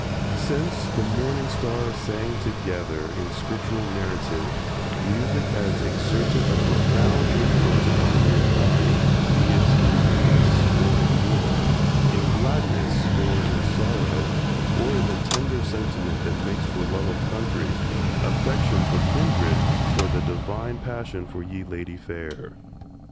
Since "the morning stars sang together" in Scriptural narrative, music has exerted a profound influence upon mankind, be it in peace or in war, in gladness or in sorrow, or in the tender sentiment that makes for love of country, affection for kindred or the divine passion for "ye ladye fair."